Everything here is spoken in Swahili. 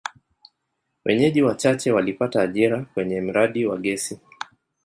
Wenyeji wachache walipata ajira kwenye mradi wa gesi.